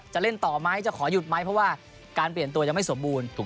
เล่นต่อไหมจะขอหยุดไหมเพราะว่าการเปลี่ยนตัวยังไม่สมบูรณ์